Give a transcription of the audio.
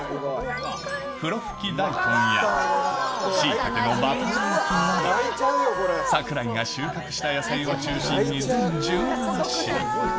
ふろふき大根や、シイタケのバター焼きなど、櫻井が収穫した野菜を中心に全１７品。